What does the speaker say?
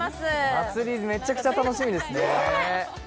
祭り、めちゃくちゃ楽しみですね。